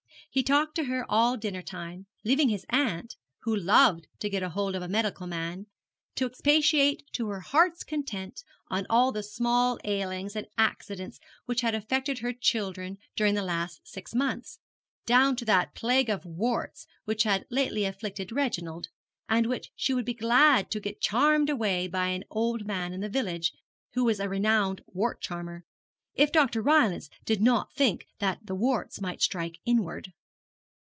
He talked to her all dinner time, leaving his aunt, who loved to get hold of a medical man, to expatiate to her heart's content on all the small ailings and accidents which had affected her children during the last six months, down to that plague of warts which had lately afflicted Reginald, and which she would be glad to get charmed away by an old man in the village, who was a renowned wart charmer, if Dr. Rylance did not think the warts might strike inward.